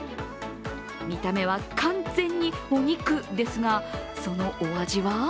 見た目は完全にお肉ですがそのお味は？